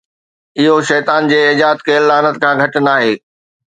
اهو شيطان جي ايجاد ڪيل لعنت کان گهٽ ناهي.